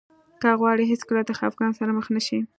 که غواړئ هېڅکله د خفګان سره مخ نه شئ.